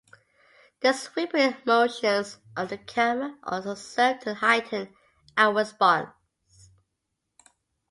The sweeping motions of the camera also serve to heighten our response.